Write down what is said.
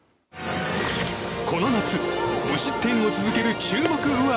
この夏無失点を続ける注目右腕。